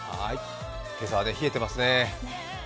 今朝は冷えていますね。